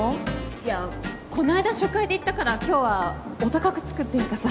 いやこないだ初回で行ったから今日はお高くつくっていうかさ。